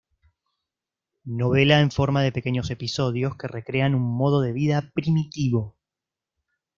Novela en forma de pequeños episodios que recrean un modo de vida primitivo.